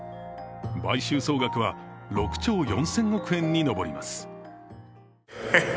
買収総額は６兆４０００億円に上ります